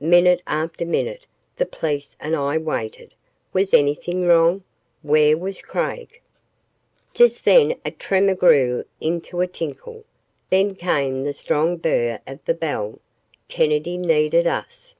Minute after minute the police and I waited. Was anything wrong? Where was Craig? Just then a tremor grew into a tinkle, then came the strong burr of the bell. Kennedy needed us.